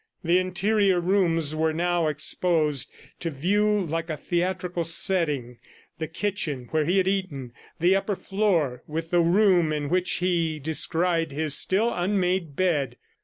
The interior rooms were now exposed to view like a theatrical setting the kitchen where he had eaten, the upper floor with the room in which he descried his still unmade bed.